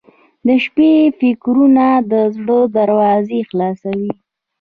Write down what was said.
• د شپې فکرونه د زړه دروازې خلاصوي.